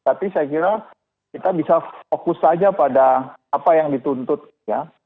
tapi saya kira kita bisa fokus saja pada apa yang dituntut ya